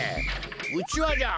うちわじゃ。